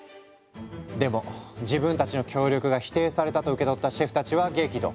でも自分たちの協力が否定されたと受け取ったシェフたちは激怒。